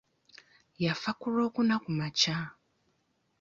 Yafa ku olwokuna kumakya.